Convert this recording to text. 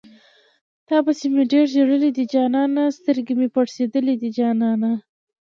تاپسې مې ډېر ژړلي دي جانانه سترغلي مې پړسېدلي دي جانانه